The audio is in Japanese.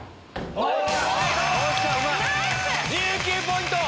１９ポイント！